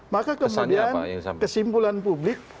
maka kemudian kesimpulan publik